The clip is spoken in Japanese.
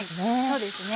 そうですね